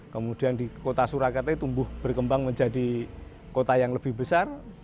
kemudian di kota surakarta tumbuh berkembang menjadi kota yang lebih besar